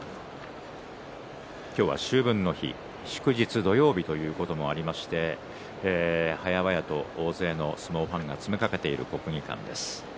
今日は秋分の日、祝日土曜日ということもありましてはやばやと大勢の相撲ファンが詰めかけている国技館です。